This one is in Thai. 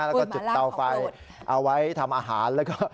แล้วก็จุดเตาไฟเอาไว้ทำอาหาร